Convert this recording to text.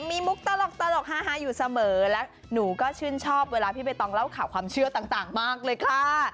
มีมุกตลกฮาอยู่เสมอและหนูก็ชื่นชอบเวลาพี่ใบตองเล่าข่าวความเชื่อต่างมากเลยค่ะ